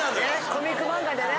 コミック漫画でな。